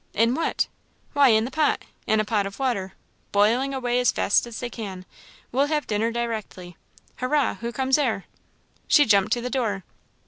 "In what?" "Why, in the pot! in a pot of water, boiling away as fast as they can; we'll have dinner directly. Hurra! who comes there?" She jumped to the door.